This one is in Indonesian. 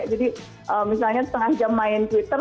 jadi misalnya setengah jam main twitter